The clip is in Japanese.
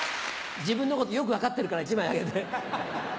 自分のことよく分かってるから１枚あげて。